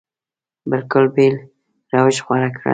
بلکل بېل روش غوره کړ.